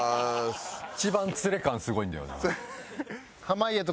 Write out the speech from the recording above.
一番ツレ感すごいんだよな。